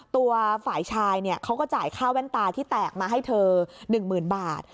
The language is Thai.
ตัวฝ่ายชายเขาก็จ่ายค่าแว่นตาที่แตกมาให้เธอ๑๐๐๐บาท